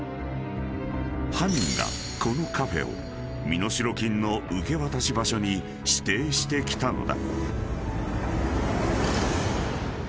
［犯人がこのカフェを身代金の受け渡し場所に指定してきたのだ］